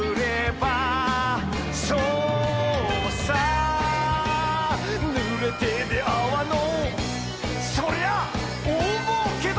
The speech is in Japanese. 「そうさぬれてであわのそりゃ大儲けだぜ」